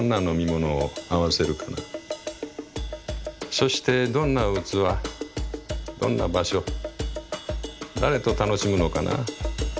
「そしてどんな器どんな場所誰と楽しむのかな？」。